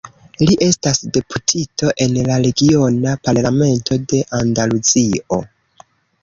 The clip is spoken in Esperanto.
Li estas deputito en la regiona Parlamento de Andaluzio.